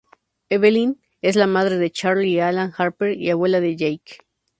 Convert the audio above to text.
Evelyn es la madre de Charlie y Alan Harper y abuela de Jake.